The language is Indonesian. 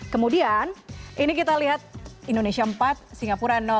kemudian ini kita lihat indonesia empat singapura